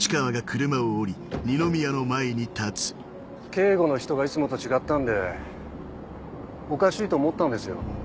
警護の人がいつもと違ったんでおかしいと思ったんですよ。